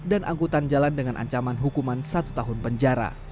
dan angkutan jalan dengan ancaman hukuman satu tahun penjara